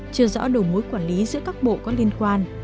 chưa rõ đầu mối quản lý giữa các bộ có liên quan